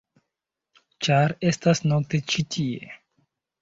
-ĉar estas nokte ĉi tie-.